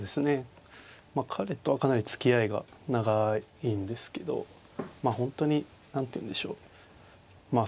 彼とはかなりつきあいが長いんですけど本当に何ていうんでしょうまあ